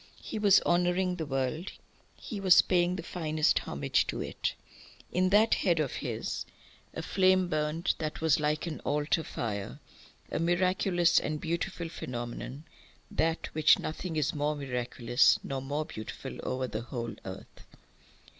He was honouring the world; he was paying the finest homage to it. In that head of his a flame burnt that was like an altar fire, a miraculous and beautiful phenomenon, than which nothing is more miraculous nor more beautiful over the whole earth.